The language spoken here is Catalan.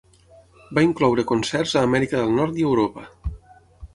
Va incloure concerts a Amèrica del Nord i Europa.